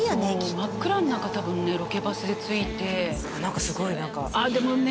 真っ暗の中多分ねロケバスで着いて何かすごい何かでもね